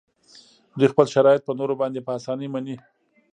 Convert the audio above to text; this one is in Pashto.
دوی خپل شرایط په نورو باندې په اسانۍ مني